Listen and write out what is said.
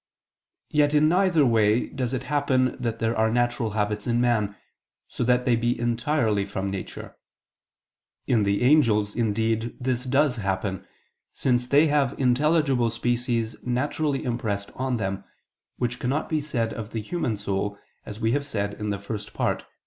Yet in neither way does it happen that there are natural habits in man, so that they be entirely from nature. In the angels, indeed, this does happen, since they have intelligible species naturally impressed on them, which cannot be said of the human soul, as we have said in the First Part (Q.